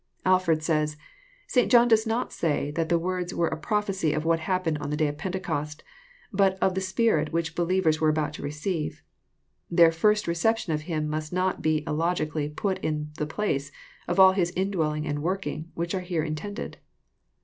Alford says :'* St. John does not say that the words were a prophecy of what happened on the day of Pentecost ; but of the Spirit which the believers were about to receive. Their first reception of Him must not be illogically put In the place of all His indwelling and working, which are here intended."